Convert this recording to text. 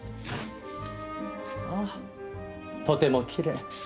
あっとてもきれい。